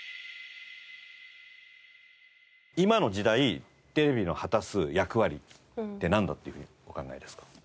今の時代テレビの果たす役割ってなんだというふうにお考えですか？